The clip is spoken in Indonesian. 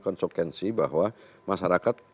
konsekuensi bahwa masyarakat